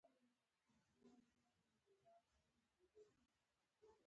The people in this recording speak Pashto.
متلونه هنري او شاعرانه رنګ لري